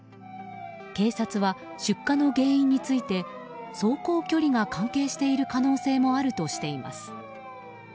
警察は出火の原因について走行距離が関係している可能性もあるとしています。